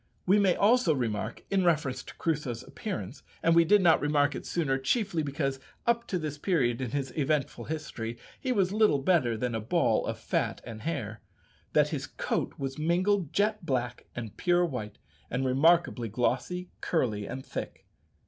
We may also remark, in reference to Crusoe's appearance (and we did not remark it sooner, chiefly because up to this period in his eventful history he was little better than a ball of fat and hair), that his coat was mingled jet black and pure white, and remarkably glossy, curly, and thick.